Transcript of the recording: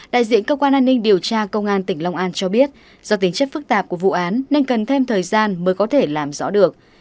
đại diện cơ quan an ninh điều tra công an tỉnh long an cho biết do tính chất phức tạp của vụ án nên cần thêm thời gian mới có thể làm rõ được